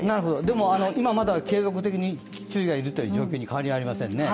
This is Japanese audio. でも今まだ継続的に注意がいるという状況に変わりありませんね。